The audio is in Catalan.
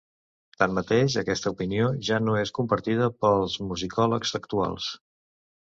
Tanmateix, aquesta opinió ja no és compartida pels musicòlegs actuals.